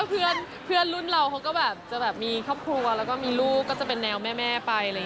เพื่อนรุ่นเราเขาก็แบบจะแบบมีครอบครัวแล้วก็มีลูกก็จะเป็นแนวแม่ไปอะไรอย่างนี้